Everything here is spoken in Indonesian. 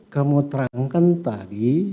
kamu terangkan tadi